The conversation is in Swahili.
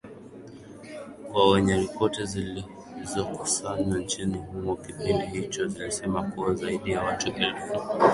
kwa wenyewe Ripoti zilizokusanywa nchini humo kipindi hicho zilisema kuwa zaidi ya watu elfu